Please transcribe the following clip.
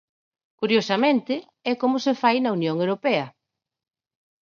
Curiosamente, é como se fai na Unión Europea.